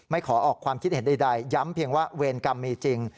ขอออกความคิดเห็นใดย้ำเพียงว่าเวรกรรมมีจริง